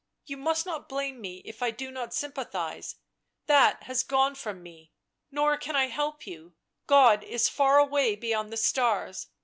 . you must not blame me if I do not sympathise; that has gone from me. Nor can I help you; God is far away beyond the stars.